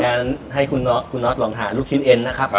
อย่างนี้ครับอยากให้คุณน๊อตลองทานลูกชิ้นเอ็นนะครับ